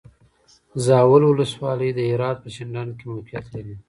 زاول ولسوالی د هرات په شینډنډ کې موقعیت لري.